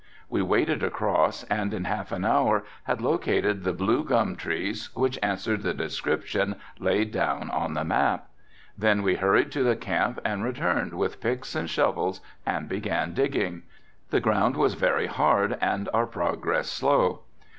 We waded across and in half an hour had located the blue gum trees which answered the description laid down on the map. Then we hurried to the camp and returned with picks and shovels and began digging. The ground was very hard and our progress slow.